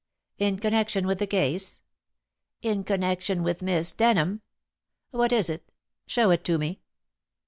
"In connection with the case?" "In connection with Miss Denham." "What is it? Show it to me."